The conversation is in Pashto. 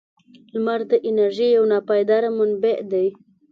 • لمر د انرژۍ یو ناپایدار منبع دی.